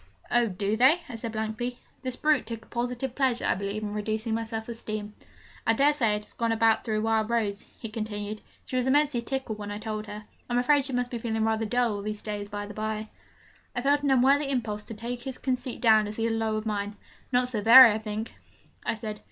'Oh, do they?' I said blankly. This brute took a positive pleasure, I believe, in reducing my self esteem. 'I dare say it has got about through Wild Rose,' he continued. 'She was immensely tickled when I told her. I'm afraid she must have been feeling rather dull all these days, by the bye.' I felt an unworthy impulse to take his conceit down as he had lowered mine. 'Not so very, I think,' I said.